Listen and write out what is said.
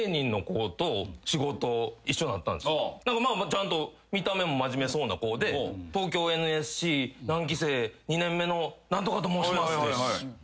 ちゃんと見た目も真面目そうな子で東京ＮＳＣ何期生２年目の何とかと申しますって。